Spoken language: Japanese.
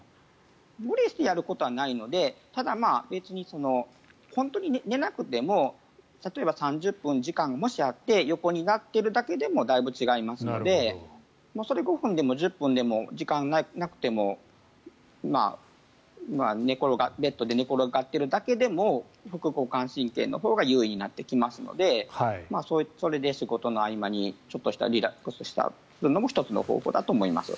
無理してやることはないのでただ、別に本当に寝なくても例えば３０分時間がもしあって横になってるだけでもだいぶ違いますので５分でも１０分でも時間がなくてもベッドで寝転がっているだけでも副交感神経のほうが優位になってきますのでそれで仕事の合間にちょっとしたリラックスをするのも１つの方法だと思います。